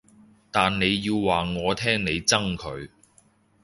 但你要話我聽你憎佢